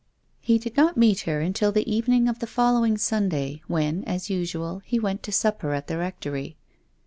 He did not meet her until the evening of the following Sunday when, as usual, he went to sup per at the Rectory.